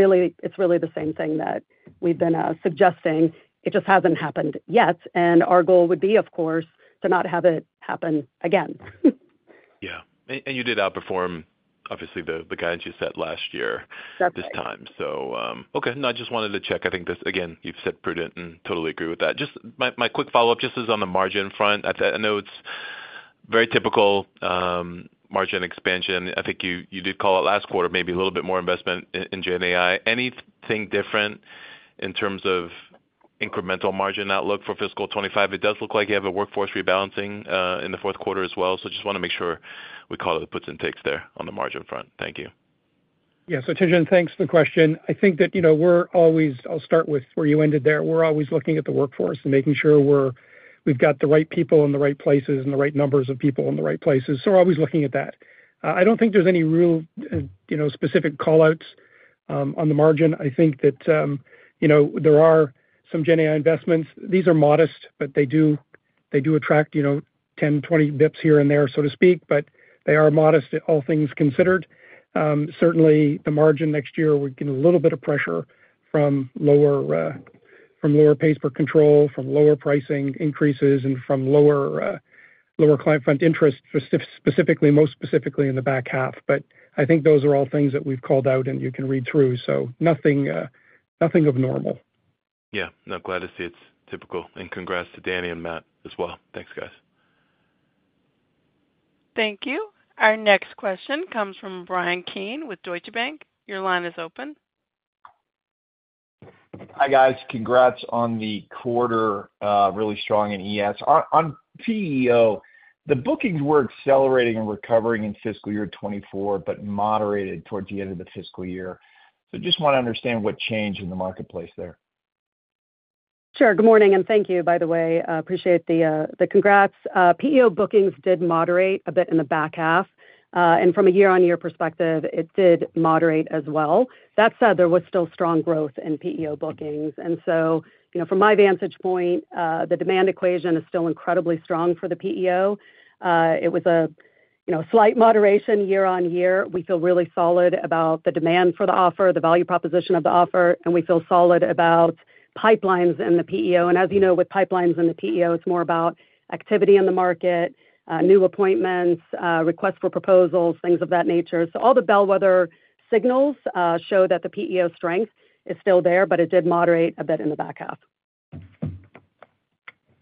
really the same thing that we've been suggesting. It just hasn't happened yet. Our goal would be, of course, to not have it happen again. Yeah. You did outperform, obviously, the guidance you set last year this time. So okay. No, I just wanted to check. I think, again, you've said prudent and totally agree with that. Just my quick follow-up, just as on the margin front. I know it's very typical margin expansion. I think you did call it last quarter, maybe a little bit more investment in GenAI. Anything different in terms of incremental margin outlook for fiscal 2025? It does look like you have a workforce rebalancing in the fourth quarter as well. So I just want to make sure we call it puts and takes there on the margin front. Thank you. Yeah. So Tien-tsin, thanks for the question. I think that we're always—I'll start with where you ended there. We're always looking at the workforce and making sure we've got the right people in the right places and the right numbers of people in the right places. So we're always looking at that. I don't think there's any real specific callouts on the margin. I think that there are some GenAI investments. These are modest, but they do attract 10, 20 bps here and there, so to speak. But they are modest, all things considered. Certainly, the margin next year will get a little bit of pressure from lower pays per control, from lower pricing increases, and from lower client funds interest, specifically, most specifically in the back half. But I think those are all things that we've called out, and you can read through. So nothing abnormal. Yeah. No, glad to see it's typical. And congrats to Danny and Matt as well. Thanks, guys. Thank you. Our next question comes from Bryan Keane with Deutsche Bank. Your line is open. Hi, guys. Congrats on the quarter, really strong in ES. On PEO, the bookings were accelerating and recovering in fiscal year 2024, but moderated towards the end of the fiscal year. So just want to understand what changed in the marketplace there. Sure. Good morning, and thank you, by the way. Appreciate the congrats. PEO bookings did moderate a bit in the back half. And from a year-on-year perspective, it did moderate as well. That said, there was still strong growth in PEO bookings. From my vantage point, the demand equation is still incredibly strong for the PEO. It was a slight moderation year-on-year. We feel really solid about the demand for the offer, the value proposition of the offer, and we feel solid about pipelines in the PEO. As you know, with pipelines in the PEO, it's more about activity in the market, new appointments, requests for proposals, things of that nature. All the bellwether signals show that the PEO strength is still there, but it did moderate a bit in the back half.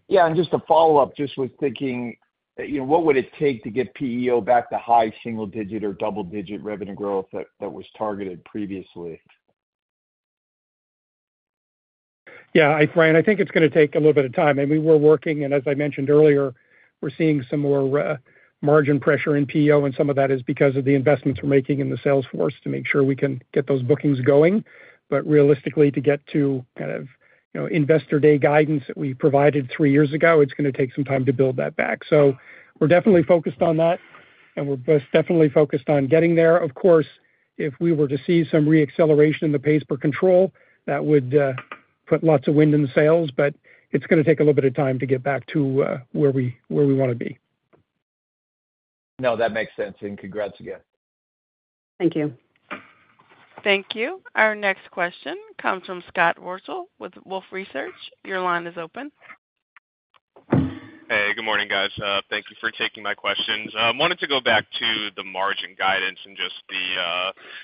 Yeah. Just a follow-up, just was thinking, what would it take to get PEO back to high single-digit or double-digit revenue growth that was targeted previously? Yeah. Bryan, I think it's going to take a little bit of time. And we were working, and as I mentioned earlier, we're seeing some more margin pressure in PEO, and some of that is because of the investments we're making in the sales force to make sure we can get those bookings going. But realistically, to get to kind of Investor Day guidance that we provided three years ago, it's going to take some time to build that back. So we're definitely focused on that, and we're definitely focused on getting there. Of course, if we were to see some re-acceleration in the pays per control, that would put lots of wind in the sails, but it's going to take a little bit of time to get back to where we want to be. No, that makes sense. And congrats again. Thank you. Thank you. Our next question comes from Scott Wurtzel with Wolfe Research. Your line is open. Hey, good morning, guys. Thank you for taking my questions. Wanted to go back to the margin guidance and just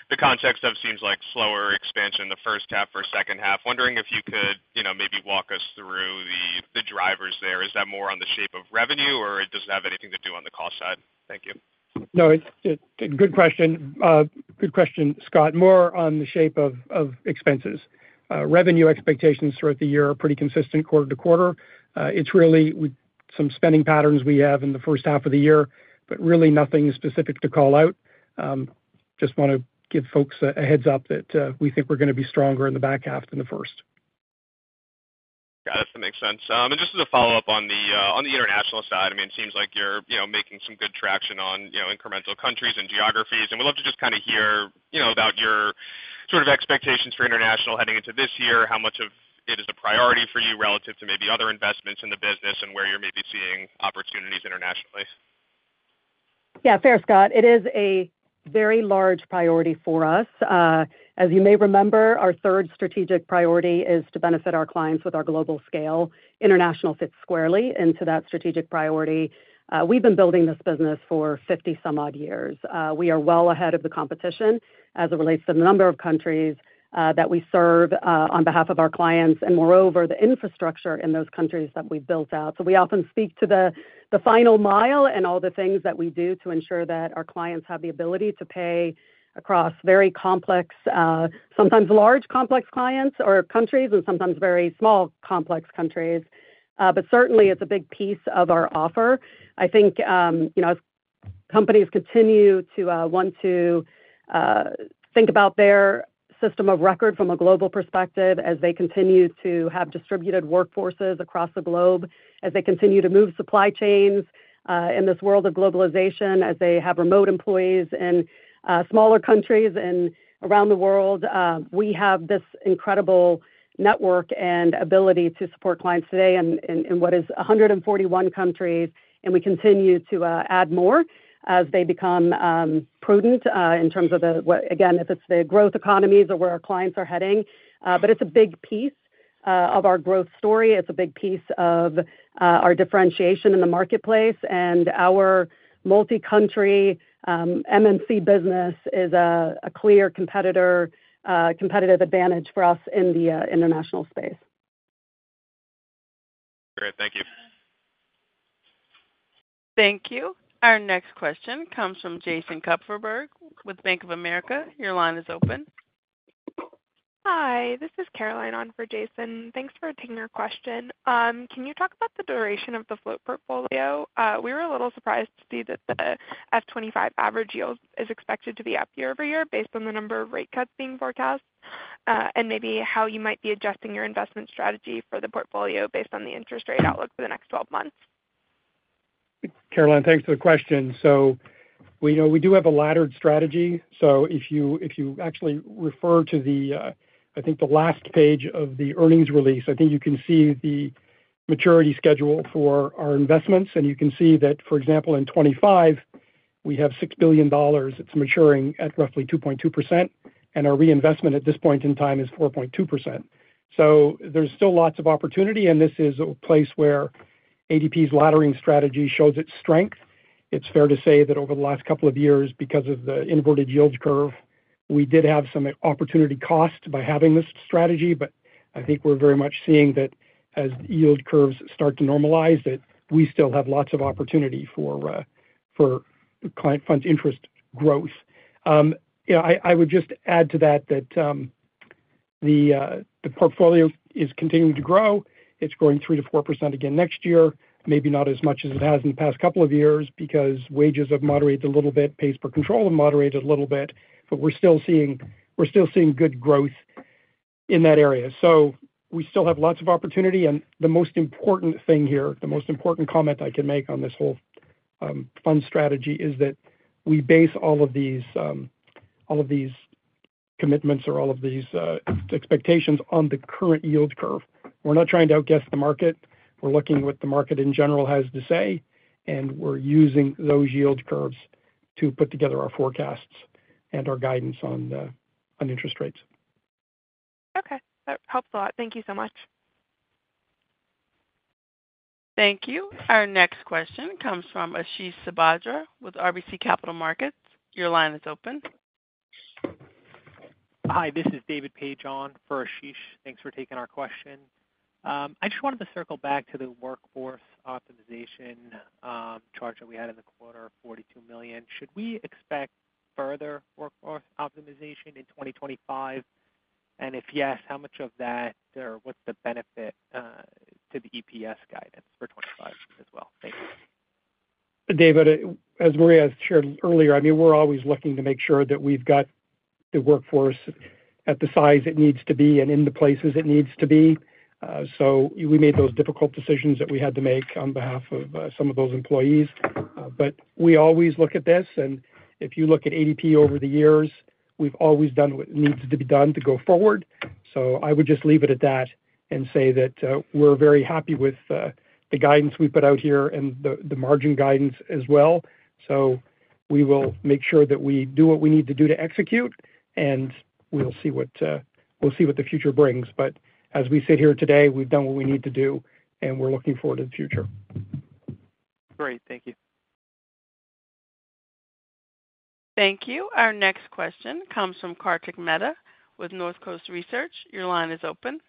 the context of seems like slower expansion in the first half or second half. Wondering if you could maybe walk us through the drivers there. Is that more on the shape of revenue, or does it have anything to do on the cost side? Thank you. No, good question. Good question, Scott. More on the shape of expenses. Revenue expectations throughout the year are pretty consistent quarter to quarter. It's really some spending patterns we have in the first half of the year, but really nothing specific to call out. Just want to give folks a heads-up that we think we're going to be stronger in the back half than the first. Got it. That makes sense. Just as a follow-up on the international side, I mean, it seems like you're making some good traction on incremental countries and geographies. We'd love to just kind of hear about your sort of expectations for international heading into this year, how much of it is a priority for you relative to maybe other investments in the business and where you're maybe seeing opportunities internationally. Yeah, fair, Scott. It is a very large priority for us. As you may remember, our third strategic priority is to benefit our clients with our global scale. International fits squarely into that strategic priority. We've been building this business for 50-some-odd years. We are well ahead of the competition as it relates to the number of countries that we serve on behalf of our clients and, moreover, the infrastructure in those countries that we've built out. So we often speak to the final mile and all the things that we do to ensure that our clients have the ability to pay across very complex, sometimes large complex clients or countries, and sometimes very small complex countries. But certainly, it's a big piece of our offer. I think as companies continue to want to think about their system of record from a global perspective as they continue to have distributed workforces across the globe, as they continue to move supply chains in this world of globalization, as they have remote employees in smaller countries and around the world, we have this incredible network and ability to support clients today in what is 141 countries. And we continue to add more as they become prudent in terms of the, again, if it's the growth economies or where our clients are heading. But it's a big piece of our growth story. It's a big piece of our differentiation in the marketplace. And our multi-country MNC business is a clear competitive advantage for us in the international space. Great. Thank you. Thank you. Our next question comes from Jason Kupferberg with Bank of America. Your line is open. Hi. This is Caroline on for Jason. Thanks for taking our question. Can you talk about the duration of the float portfolio? We were a little surprised to see that the F25 average yield is expected to be up year over year based on the number of rate cuts being forecast and maybe how you might be adjusting your investment strategy for the portfolio based on the interest rate outlook for the next 12 months. Caroline, thanks for the question. So we do have a laddered strategy. So if you actually refer to the, I think, the last page of the earnings release, I think you can see the maturity schedule for our investments. You can see that, for example, in 2025, we have $6 billion. It's maturing at roughly 2.2%. Our reinvestment at this point in time is 4.2%. So there's still lots of opportunity. This is a place where ADP's laddering strategy shows its strength. It's fair to say that over the last couple of years, because of the inverted yield curve, we did have some opportunity cost by having this strategy. But I think we're very much seeing that as yield curves start to normalize, that we still have lots of opportunity for client fund interest growth. I would just add to that that the portfolio is continuing to grow. It's growing 3%-4% again next year, maybe not as much as it has in the past couple of years because wages have moderated a little bit, pays per control have moderated a little bit. But we're still seeing good growth in that area. So we still have lots of opportunity. And the most important thing here, the most important comment I can make on this whole fund strategy is that we base all of these commitments or all of these expectations on the current yield curve. We're not trying to outguess the market. We're looking at what the market in general has to say. And we're using those yield curves to put together our forecasts and our guidance on interest rates. Okay. That helps a lot. Thank you so much. Thank you. Our next question comes from Ashish Sabadra with RBC Capital Markets. Your line is open. Hi. This is David Paige on for Ashish. Thanks for taking our question. I just wanted to circle back to the workforce optimization charge that we had in the quarter of $42 million. Should we expect further workforce optimization in 2025? And if yes, how much of that, or what's the benefit to the EPS guidance for 2025 as well? Thank you. David, as Maria shared earlier, I mean, we're always looking to make sure that we've got the workforce at the size it needs to be and in the places it needs to be. So we made those difficult decisions that we had to make on behalf of some of those employees. But we always look at this. And if you look at ADP over the years, we've always done what needs to be done to go forward. I would just leave it at that and say that we're very happy with the guidance we put out here and the margin guidance as well. We will make sure that we do what we need to do to execute, and we'll see what the future brings. As we sit here today, we've done what we need to do, and we're looking forward to the future. Great. Thank you. Thank you. Our next question comes from Kartik Mehta with Northcoast Research. Your line is open.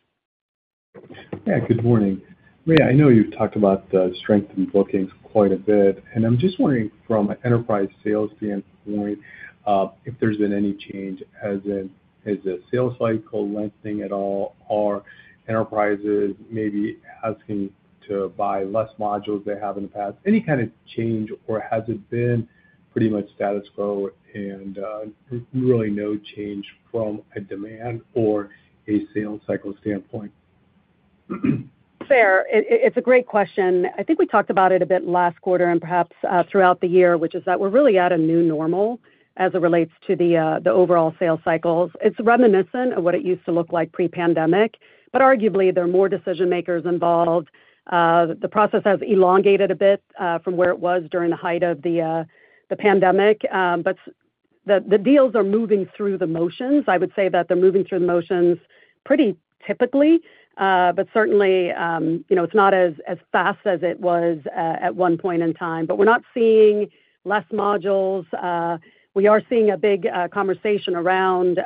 Yeah. Good morning. Maria, I know you've talked about strength in bookings quite a bit. I'm just wondering from an enterprise sales standpoint if there's been any change, as in is the sales cycle lengthening at all, or enterprises maybe asking to buy less modules they have in the past? Any kind of change, or has it been pretty much status quo and really no change from a demand or a sales cycle standpoint? Fair. It's a great question. I think we talked about it a bit last quarter and perhaps throughout the year, which is that we're really at a new normal as it relates to the overall sales cycles. It's reminiscent of what it used to look like pre-pandemic. But arguably, there are more decision-makers involved. The process has elongated a bit from where it was during the height of the pandemic. But the deals are moving through the motions. I would say that they're moving through the motions pretty typically. But certainly, it's not as fast as it was at one point in time. But we're not seeing less modules. We are seeing a big conversation around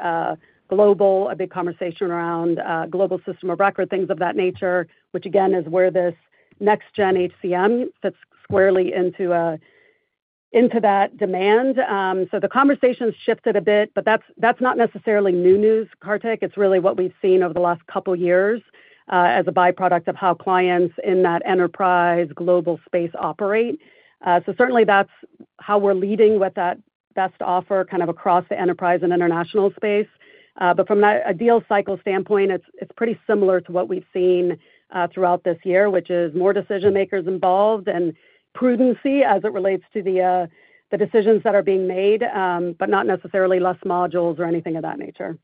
global, a big conversation around global system of record, things of that nature, which, again, is where this Next-Gen HCM fits squarely into that demand. So the conversation's shifted a bit. But that's not necessarily new news, Kartik. It's really what we've seen over the last couple of years as a byproduct of how clients in that enterprise global space operate. So certainly, that's how we're leading with that best offer kind of across the enterprise and international space. But from a deal cycle standpoint, it's pretty similar to what we've seen throughout this year, which is more decision-makers involved and prudency as it relates to the decisions that are being made, but not necessarily less modules or anything of that nature.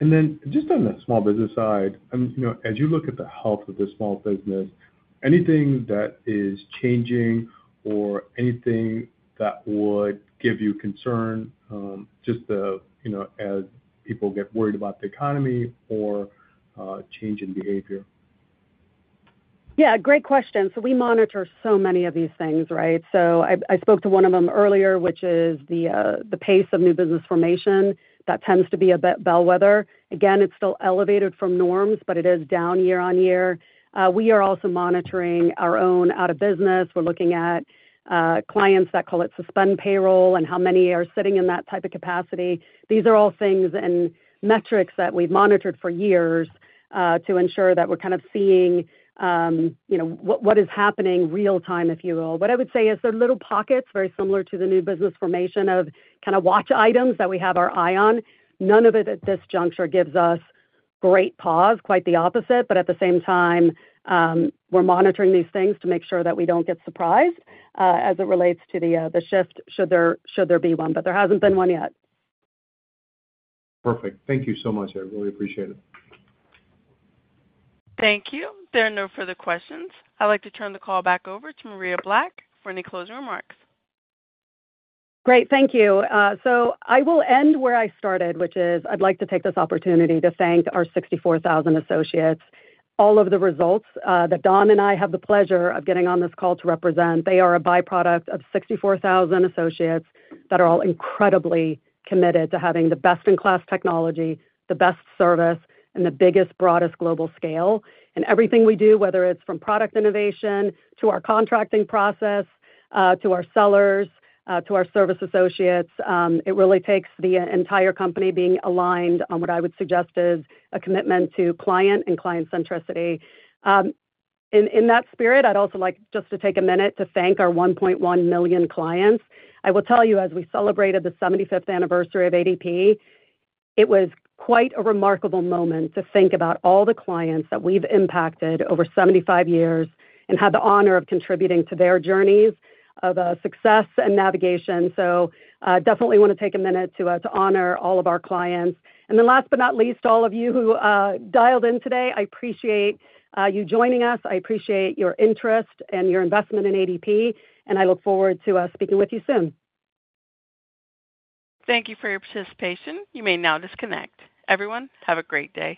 And then just on the small business side, as you look at the health of the small business, anything that is changing or anything that would give you concern, just as people get worried about the economy or change in behavior? Yeah. Great question. So we monitor so many of these things, right? So I spoke to one of them earlier, which is the pace of new business formation. That tends to be a bit bellwether. Again, it's still elevated from norms, but it is down year-over-year. We are also monitoring our own out-of-business. We're looking at clients that call it suspend payroll and how many are sitting in that type of capacity. These are all things and metrics that we've monitored for years to ensure that we're kind of seeing what is happening real-time, if you will. What I would say is there are little pockets very similar to the new business formation of kind of watch items that we have our eye on. None of it at this juncture gives us great pause, quite the opposite. But at the same time, we're monitoring these things to make sure that we don't get surprised as it relates to the shift should there be one. But there hasn't been one yet. Perfect. Thank you so much. I really appreciate it. Thank you. There are no further questions. I'd like to turn the call back over to Maria Black for any closing remarks. Great. Thank you. So I will end where I started, which is I'd like to take this opportunity to thank our 64,000 associates. All of the results that Don and I have the pleasure of getting on this call to represent, they are a byproduct of 64,000 associates that are all incredibly committed to having the best-in-class technology, the best service, and the biggest, broadest global scale. Everything we do, whether it's from product innovation to our contracting process to our sellers to our service associates, it really takes the entire company being aligned on what I would suggest is a commitment to client and client centricity. In that spirit, I'd also like just to take a minute to thank our 1.1 million clients. I will tell you, as we celebrated the 75th anniversary of ADP, it was quite a remarkable moment to think about all the clients that we've impacted over 75 years and had the honor of contributing to their journeys of success and navigation. So definitely want to take a minute to honor all of our clients. Then last but not least, all of you who dialed in today, I appreciate you joining us. I appreciate your interest and your investment in ADP. I look forward to speaking with you soon. Thank you for your participation. You may now disconnect. Everyone, have a great day.